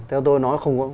theo tôi nói không có